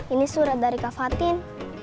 ini surat dari kak fatin